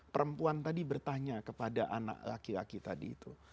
perempuan tadi bertanya kepada anak laki laki tadi itu